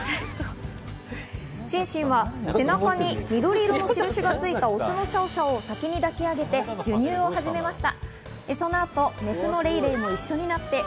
シンシンは背中に緑色の印がついたオスのシャオシャオを先に抱き上げて授乳を始めました。